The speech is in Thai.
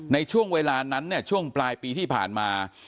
ในช่วงเวลานั้นเนี่ยช่วงปลายปีที่ผ่านมา